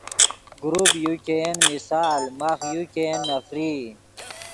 گروپ یو ګئین مثال ماخ یو ګئین نفرئی